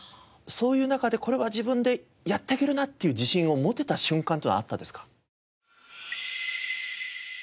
そういう中でこれは自分でやっていけるなっていう自信を持てた瞬間っていうのはあったんですか？